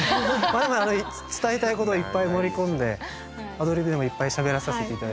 まあ伝えたいこといっぱい盛り込んでアドリブでもいっぱいしゃべらさせて頂いてうれしかったです。